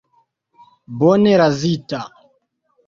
Bone razita.